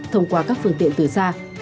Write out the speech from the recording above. thông qua các phương tiện từ xa